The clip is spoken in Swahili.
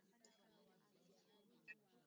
hasa barani afrika